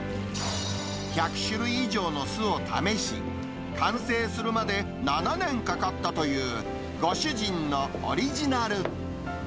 １００種類以上の酢を試し、完成するまで、７年かかったというご主人のオリジナル。